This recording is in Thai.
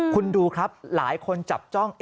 คุณดูครับหลายคนจับจ้อง